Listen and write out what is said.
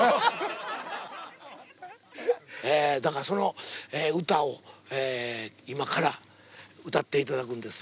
だからその歌を今から歌っていただくんですよね。